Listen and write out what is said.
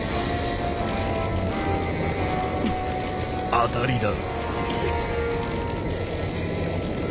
当たりだ。